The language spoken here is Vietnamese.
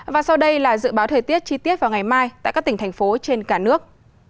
và sau đây là dự báo thời tiết chi tiết vào ngày mai tại các tỉnh thành phố trên cả nước